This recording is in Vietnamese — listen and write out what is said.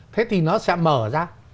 thế thì nó sẽ mở ra